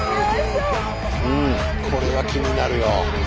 これは気になるよ。